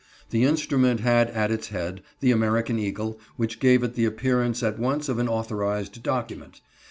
The instrument had at its head the American eagle, which gave it the appearance at once of an authorized document.